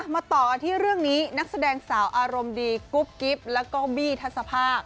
มาต่อกันที่เรื่องนี้นักแสดงสาวอารมณ์ดีกุ๊บกิ๊บแล้วก็บี้ทัศภาค